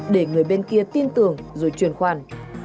để người bên kia tin tưởng rồi truyền khoản